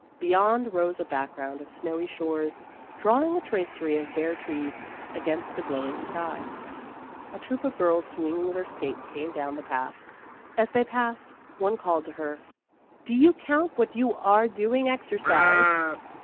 Beyond rose a background of snowy shores drawing a tracery of bare trees against the glowing sky. A troop of girls swinging their skates came down the path. As they passed, one called to her, " Do you count what you are doing exercise